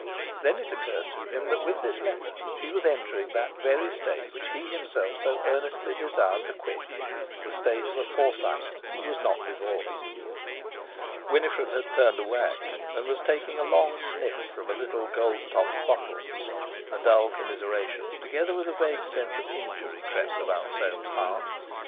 Then it occurred to him that with this letter she was entering that very state which he himself so earnestly desired to quit—the state of a Forsyte who was not divorced. Winifred had turned away, and was taking a long sniff from a little gold topped bottle. A dull commiseration, together with a vague sense of injury, crept about Soames' heart.